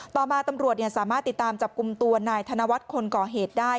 ต่อมาตำรวจสามารถติดตามจับกลุ่มตัวนายธนวัฒน์คนก่อเหตุได้